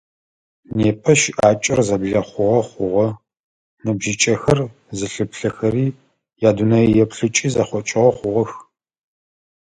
Непэ щыӀакӀэр зэблэхъугъэ хъугъэ, ныбжьыкӀэхэр зылъыплъэхэри, ядунэееплъыкӀи зэхъокӀыгъэ хъугъэх.